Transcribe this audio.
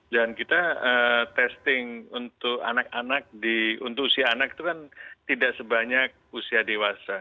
dan kita testing untuk anak anak di untuk usia anak itu kan tidak sebanyak usia dewasa